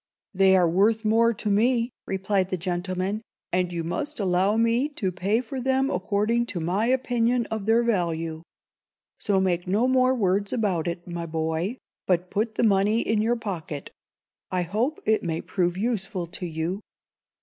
"They are worth more to me," replied the gentleman, "and you must allow me to pay for them according to my opinion of their value. So make no more words about it, my boy, but put the money in your pocket. I hope it may prove useful to you."